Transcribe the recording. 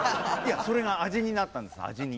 それが味になったんです味に。